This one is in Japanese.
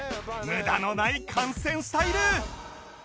無駄のない観戦スタイル